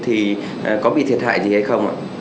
thì có bị thiệt hại gì hay không ạ